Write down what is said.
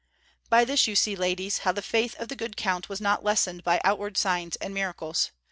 "By this you see, ladies, how the faith of the good Count was not lessened by outward signs and miracles.